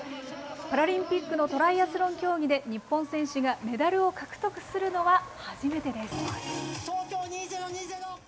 パラリンピックのトライアスロン競技で、日本選手がメダルを獲得するのは初めてです。